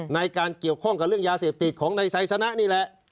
ในการเกี่ยวข้องกับเรื่องยาเสพติดของนายไซสนะนี่แหละ